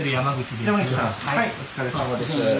はいお疲れさまです。